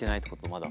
まだ。